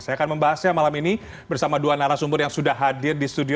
saya akan membahasnya malam ini bersama dua narasumber yang sudah hadir di studio